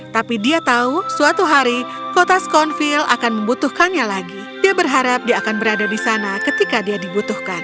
tapi dia tahu suatu hari kota scanville akan membutuhkannya lagi dia berharap dia akan berada di sana ketika dia dibutuhkan